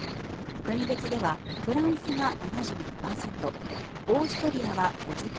国別にはフランスが７２％オーストリアは５０％